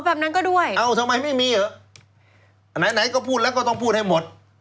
แบบนั้นก็ด้วยเอ้าทำไมไม่มีเหรออันไหนไหนก็พูดแล้วก็ต้องพูดให้หมด